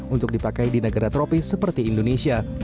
untuk dipakai di negara tropis seperti indonesia